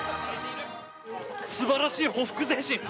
素晴らしいほふく前進。